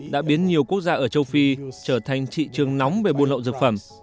đã biến nhiều quốc gia ở châu phi trở thành thị trường nóng về buôn lậu dược phẩm